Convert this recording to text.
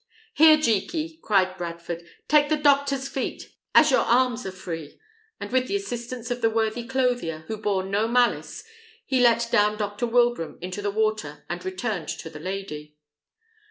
"Here, Jekey," cried Bradford, "take the doctor's feet, as your arms are free;" and with the assistance of the worthy clothier, who bore no malice, he let down Dr. Wilbraham into the water, and returned to the lady.